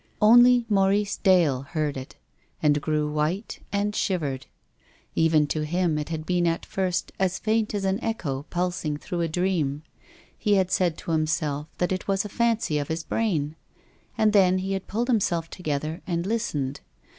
Only Maurice Dale heard it, and grew white and shivered. Even to him it had been at first as faint as an echo pulsing through a dream. lie had .said to himself that it was a fancy of his brain. And then he had pulled himself together and listened.